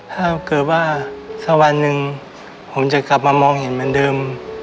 ถ้าเกิดว่าสักวันหนึ่งผมจะกลับมามองเห็นเหมือนเดิม